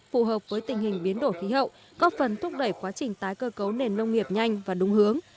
phù hợp với tình hình biến đổi khí hậu góp phần thúc đẩy quá trình tái cơ cấu nền nông nghiệp nhanh và đúng hướng